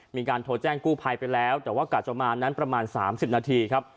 มีการโทรแจ้งกู้ภัยไปแล้วแต่ว่ากะจะมานั้นประมาณ๓๐นาทีครับ